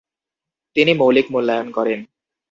তিনি মৌলিক মূল্যায়ন করেন।